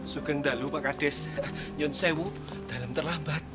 sukeng dalu pak kades nyonsewu dalam terlambat